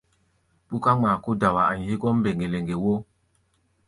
Ɓúká ŋmaa kó dawa a̧ʼi̧ hégɔ́ mbeŋge-leŋge wo!